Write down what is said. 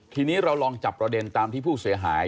ทีนี้เราลองจับประเด็นตามที่ผู้เสียหาย